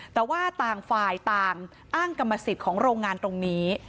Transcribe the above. แต่ว่าต่างฝ่ายต่างอ้างกรรมสิทธิ์ของโรงงานตรงนี้